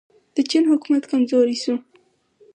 د چین حکومت کمزوری شو.